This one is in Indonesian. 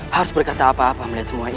harus berkata apa apa melihat semua ini